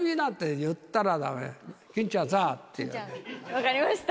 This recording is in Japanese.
分かりました。